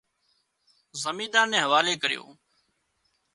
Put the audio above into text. زميندار نين حوالي ڪريو